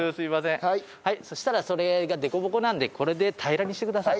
そしたらそれが凸凹なんでこれで平らにしてください。